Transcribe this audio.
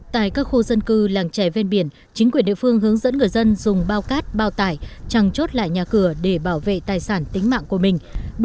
tại các khu dân cư làng trẻ ven biển chính quyền địa phương hướng dẫn người dân dùng bao cát bao tải trăng chốt lại nhà cửa để bảo vệ tài sản tính mạng của mình